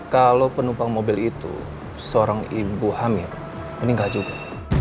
kalau penumpang mobil itu seorang ibu hamil meninggal juga